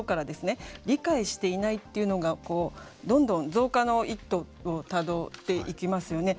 「理解していない」っていうのがどんどん増加の一途をたどっていきますよね。